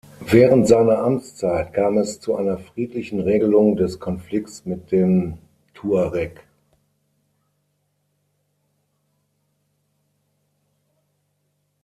Während seiner Amtszeit kam es zu einer friedlichen Regelung des Konflikts mit den Tuareg.